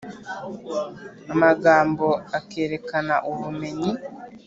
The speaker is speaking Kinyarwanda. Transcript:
amagambo akerekana ubumenyi